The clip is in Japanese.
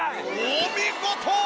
お見事！